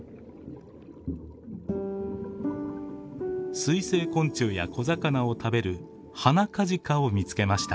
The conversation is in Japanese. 水生昆虫や小魚を食べるハナカジカを見つけました。